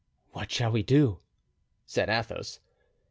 "What shall we do?" said Athos.